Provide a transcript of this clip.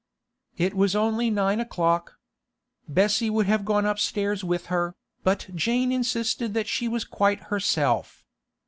It was only nine o'clock. Bessie would have gone upstairs with her, but Jane insisted that she was quite herself.